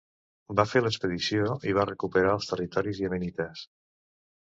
Va fer l'expedició i va recuperar els territoris iemenites.